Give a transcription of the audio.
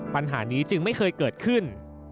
ปัญหานี้จึงไม่เคยเกิดขึ้น